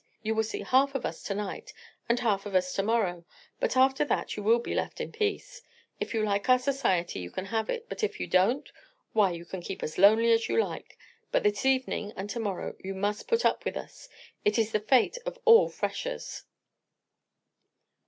You will see half of us to night and half of us to morrow; but after that you will be left in peace. If you like our society you can have it; if you don't—why, you can keep as lonely as you like. But this evening and to morrow you must put up with us; it is the fate of all freshers."